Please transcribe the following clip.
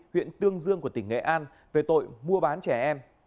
huyện tương dương của tỉnh nghệ an về tội mua bán trẻ em